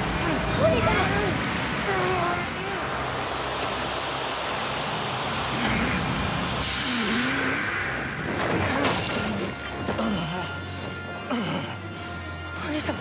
お兄様？